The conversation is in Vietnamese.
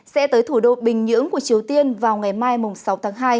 sẽ tới thủ đô bình nhưỡng của triều tiên vào ngày mai sáu tháng hai